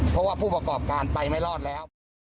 เพราะว่าผู้ประกอบการไปไม่รอดแล้ว